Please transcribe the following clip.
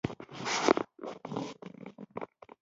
منظور پښتين په خېبر کښي يوه لويه ملي جرګه وکړه.